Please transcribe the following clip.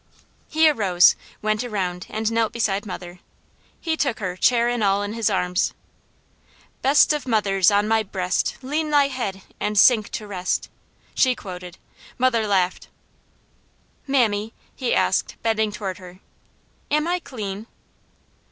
He arose, went around and knelt beside mother. He took her, chair and all, in his arms: "Best of mothers! on my breast Lean thy head, and sink to rest." She quoted. Mother laughed. "Mammy," he asked bending toward her, "am I clean?"